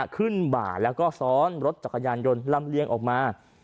บ่าแล้วก็ซ้อนรถจักรยานยนต์ลำเลียงออกมา